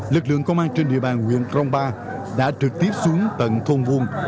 lực lượng công an trên địa bàn nguyễn trong ba đã trực tiếp xuống tận thôn buôn